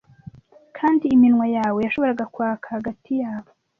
kandi iminwa yawe yashoboraga kwaka hagati yabo